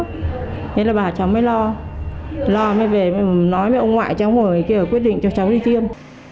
thế là bà cháu mới lo mới về nói với ông ngoại cháu ngồi kia quyết định cho cháu đi tiêm